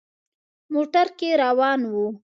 موټر کې روان وو.